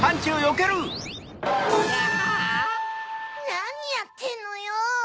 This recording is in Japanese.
なにやってんのよ！